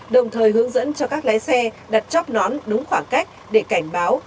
đồng thời hướng dẫn cho các lái xe đặt chóp nón đúng khoảng cách để cảnh báo khuyến cáo